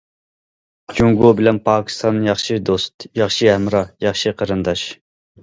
جۇڭگو بىلەن پاكىستان ياخشى دوست، ياخشى ھەمراھ، ياخشى قېرىنداش.